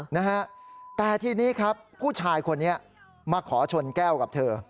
นะฮะแต่ทีนี้ครับผู้ชายคนนี้มาขอชนแก้วกับเธอ